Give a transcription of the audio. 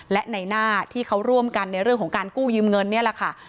และในหน้าที่เขาร่วมกันในเรื่องของการกู้ยืมเงินนี่แหละค่ะ